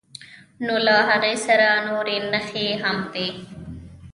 نو له هغې سره نورې نښې هم وي.